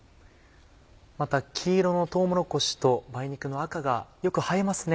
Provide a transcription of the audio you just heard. また黄色のとうもろこしと梅肉の赤がよく映えますね。